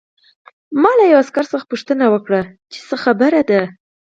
ما له یوه عسکر څخه پوښتنه وکړه چې څه خبره ده